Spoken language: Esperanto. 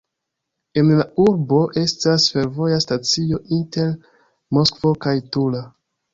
En la urbo estas fervoja stacio inter Moskvo kaj Tula.